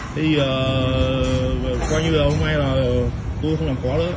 thế bây giờ qua những điều hôm nay là tôi không làm khó nữa